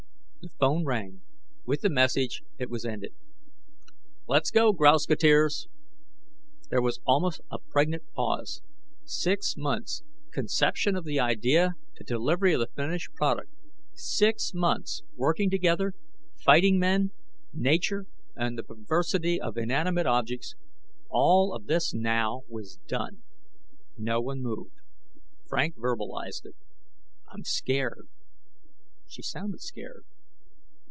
The phone rang. With the message, it was ended. "Let's go, grouseketeers." There was almost a pregnant pause. Six months: conception of the idea to delivery of finished product; six months, working together, fighting men, nature, and the perversity of inanimate objects all of this now was done. No one moved; Frank verbalized it: "I'm scared." She sounded scared.